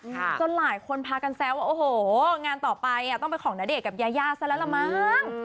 จนหลายคนพากันแซวว่าโอ้โหงานต่อไปต้องเป็นของณเดชน์กับยายาซะแล้วละมั้ง